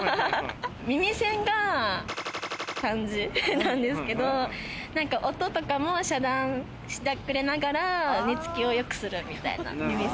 耳栓が感じなんですけど、音とかも遮断してくれながら寝つきをよくするみたいな。